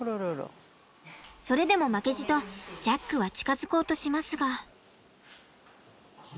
それでも負けじとジャックは近づこうとしますが。